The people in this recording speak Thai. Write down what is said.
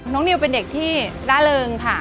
น้องนิวเป็นเด็กที่ละเริงค่ะ